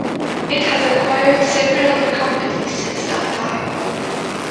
It has acquired several other companies since that time.